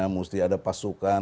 mesti ada pasukan